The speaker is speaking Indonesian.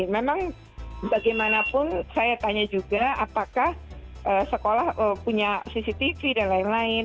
memang bagaimanapun saya tanya juga apakah sekolah punya cctv dan lain lain